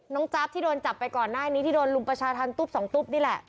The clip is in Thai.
จ๊าบที่โดนจับไปก่อนหน้านี้ที่โดนลุมประชาธรรมตุ๊บสองตุ๊บนี่แหละ